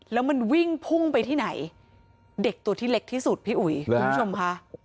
แล้วมันวิ่งพุ่งไปที่ไหนเด็กตัวที่เล็กที่สุดพี่อุ๋ยคุณผู้ชมค่ะ